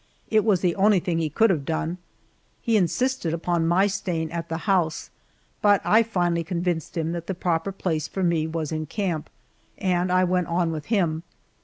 It was the only thing he could have done. He insisted upon my staying at the house, but I finally convinced him that the proper place for me was in camp, and I went on with him.